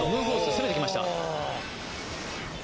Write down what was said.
攻めてきました。